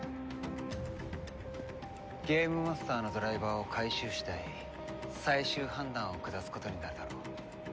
ゲームマスターのドライバーを回収次第最終判断を下すことになるだろう。